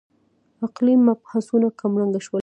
عقلي مبحثونه کمرنګه شول.